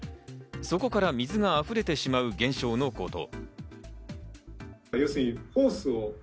そこから水が溢れてしまう現象のこと。